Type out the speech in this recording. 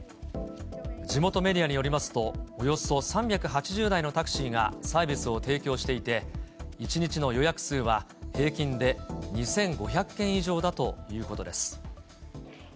地元メディアによりますと、およそ３８０台のタクシーがサービスを提供していて、１日の予約数は平均で２５００件以上だということです。